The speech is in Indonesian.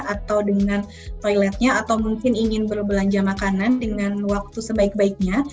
atau dengan toiletnya atau mungkin ingin berbelanja makanan dengan waktu sebaik baiknya